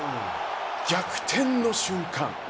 逆転の瞬間。